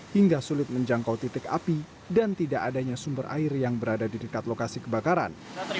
hingga sulit menjangkau titik api dan tidak adanya sumber air yang berada di dekat lokasi kebakaran